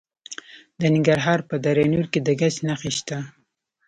د ننګرهار په دره نور کې د ګچ نښې شته.